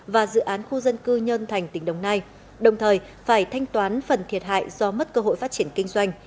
và dự án khu dân cư nhân thành tỉnh đồng nai đồng thời phải thanh toán phần thiệt hại do mất cơ hội phát triển kinh doanh